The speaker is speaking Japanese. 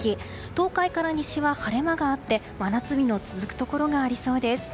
東海から西は晴れ間があって真夏日の続くところがありそうです。